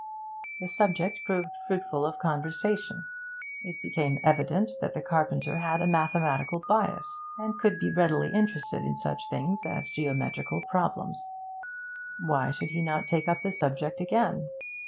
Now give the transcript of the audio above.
The subject proved fruitful of conversation. It became evident that the carpenter had a mathematical bias, and could be readily interested in such things as geometrical problems. Why should he not take up the subject again?